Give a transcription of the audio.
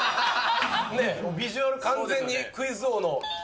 ねえ、ビジュアル、完全にクイズ王の。